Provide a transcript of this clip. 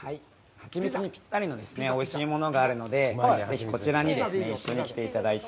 ハチミツにぴったりのおいしいものがあるので、こちらに一緒に来ていただいて。